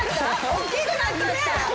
おっきくなったね。